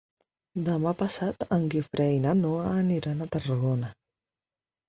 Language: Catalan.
Demà passat en Guifré i na Noa aniran a Tarragona.